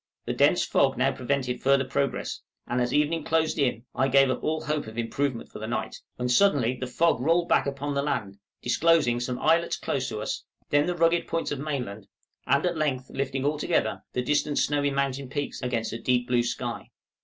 The dense fog now prevented further progress, and as evening closed in I gave up all hope of improvement for the night, when suddenly the fog rolled back upon the land, disclosing some islets close to us, then the rugged points of mainland, and at length, lifting altogether, the distant snowy mountain peaks against a deep blue sky.